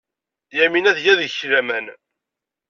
Yamina tga deg-k laman.